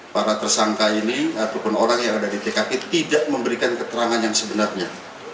para tersangka ini ataupun orang yang ada di tkp tidak memberikan keterangan yang sebenarnya